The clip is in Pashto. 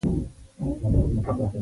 له همدې لارې مو لوی تمدنونه جوړ کړل.